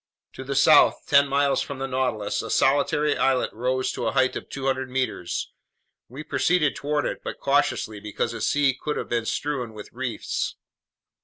To the south, ten miles from the Nautilus, a solitary islet rose to a height of 200 meters. We proceeded toward it, but cautiously, because this sea could have been strewn with reefs.